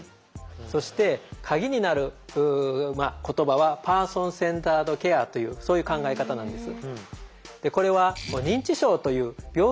そして鍵になる言葉は「パーソン・センタード・ケア」というそういう考え方なんです。